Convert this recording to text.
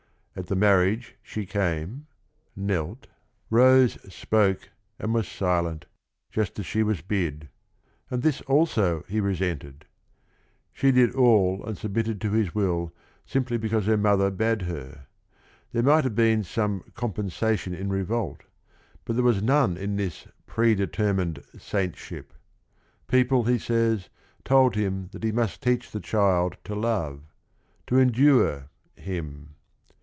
At the marriage she came, knelt, 180 THE RING AND THE BOOK rose, spoke, and was silent, just as she was bid, and this also he resented. She did all and sub mitted — to his will simp l y Iwansp hpr mother bade_her. There might have been some com pensation in revolt, but there was none in this "predetermined saintship." People, he says, told him that he must teach the child to love — to endure — him.